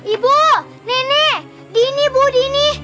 ibu nenek gini bu dini